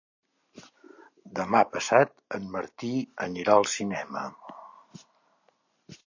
Demà passat en Martí anirà al cinema.